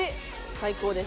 最高です。